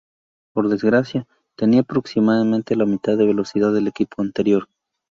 Por desgracia, tenía aproximadamente la mitad de velocidad del equipo anterior.